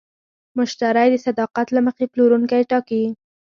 مشتری د صداقت له مخې پلورونکی ټاکي.